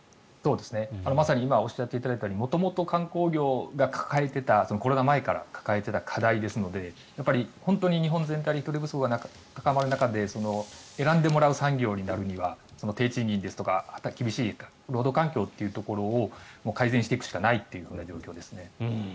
まさに今おっしゃっていただいたように元々、観光業がコロナ前から抱えてた課題ですので本当に日本全体で人手不足が高まる中で選んでもらう産業になるには低賃金ですとか厳しい労働環境を改善していくしかないという状況ですね。